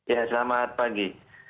ya selamat pagi